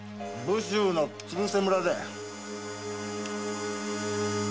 武州の鶴瀬村だよ。